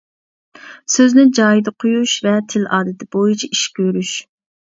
سۆزنى جايىدا قۇيۇش ۋە تىل ئادىتى بويىچە ئىش كۆرۈش.